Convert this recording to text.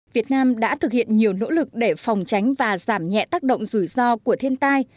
việt nam đã thực hiện nhiều nỗ lực để phòng tránh và giảm nhẹ tác động rủi ro của thiên tai